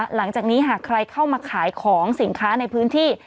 หลังจากนี้หากใครเข้ามาขายของสินค้าในพื้นที่